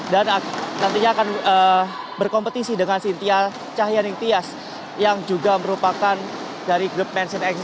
dan nantinya akan berkompetisi dengan sintia cahyaning tias yang juga merupakan dari grup mansion exis